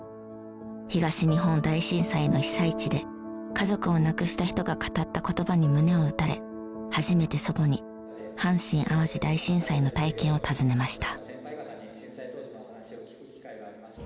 東日本大震災の被災地で家族を亡くした人が語った言葉に胸を打たれ初めて祖母に阪神・淡路大震災の体験を尋ねました。